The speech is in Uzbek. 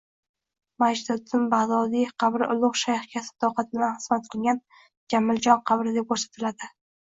Majdiddin Bagʻdodiy qabri ulugʻ shayxga sadoqat bilan xizmat qilgan Jamiljon qabri deb koʻrsatiladi